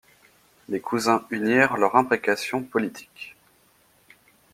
Les cousins unirent leurs imprécations politiques.